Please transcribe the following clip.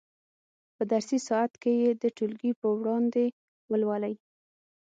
په درسي ساعت کې یې د ټولګي په وړاندې ولولئ.